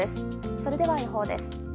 それでは予報です。